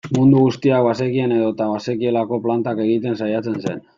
Mundu guztiak bazekien edo bazekielako plantak egiten saiatzen zen.